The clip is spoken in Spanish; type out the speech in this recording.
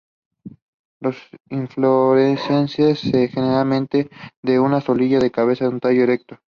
La inflorescencia es generalmente de una solitaria cabeza en un tallo erecto.